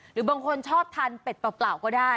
หรือบางคนชอบทานเป็ดเปล่าก็ได้